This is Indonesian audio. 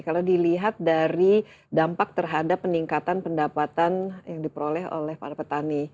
kalau dilihat dari dampak terhadap peningkatan pendapatan yang diperoleh oleh para petani